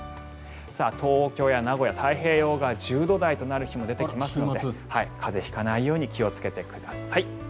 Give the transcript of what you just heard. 東京や名古屋太平洋側では１０度台となる日が出てきましたので風邪を引かないように気をつけてください。